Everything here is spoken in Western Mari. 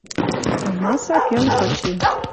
Амаса кӹл кычен